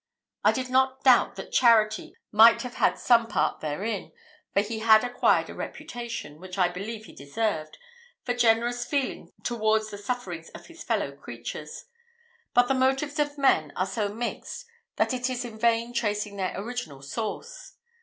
I did not doubt that charity might have some part therein, for he had acquired a reputation, which I believe he deserved, for generous feeling towards the sufferings of his fellow creatures; but the motives of men are so mixed that it is in vain tracing their original source.